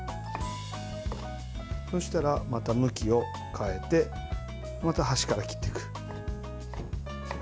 そしたらまた向きを変えてまた端から切っていく。